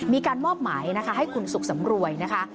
มีการมอบหมายนะคะให้คุณสุขสำรวยนะคะ